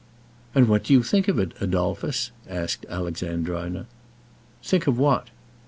"And what do you think of it, Adolphus?" asked Alexandrina. "Think of what?"